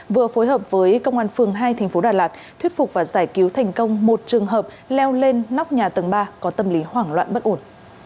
vừa phối hợp với công an phường hai thành phố đà lạt thuyết phục và giải cứu thành công một trường hợp leo lên nóc nhà tầng ba có tâm lý hoảng loạn bất ổn